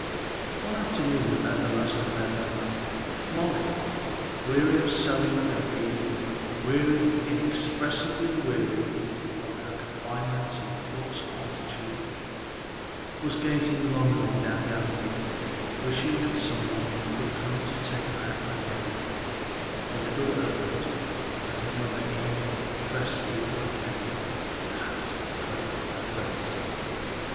One afternoon about the last of November, Molly, weary of sewing and reading, weary inexpressibly weary, of her confinement and enforced quietude, was gazing longingly down the avenue, wishing that some one would come to take her out for an airing, when the door opened and her mother came in dressed for the open air, in hat, cloak and furs.